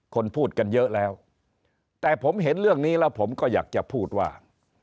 คนพูดกันเยอะแล้วแต่ผมเห็นเรื่องนี้แล้วผมก็อยากจะพูดว่า